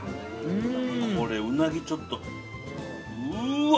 これうなぎちょっとうわ！